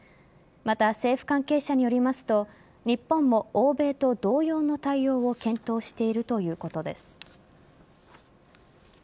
また、政府関係者によりますと日本も欧米と同様の対応を検討しているということです。